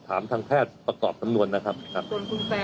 ในเมื่อเป็นคนสุดท้ายในการคุณโม